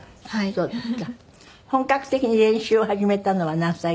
そうですか。